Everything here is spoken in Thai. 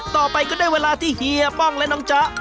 ต่อไปก็ได้เวลาที่เฮียป้องและน้องจ๊ะ